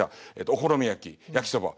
お好み焼き焼きそば。